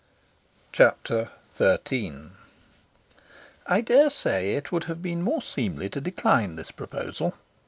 Chapter XIII I dare say it would have been more seemly to decline this proposal.